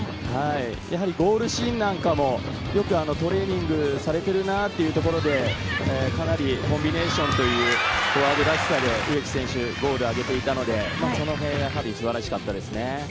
ゴールシーンなんかもトレーニングされているなというところで、かなりコンビネーション、フォワードらしさ、植木選手がゴールを挙げていたので、そのへんが素晴らしかったです。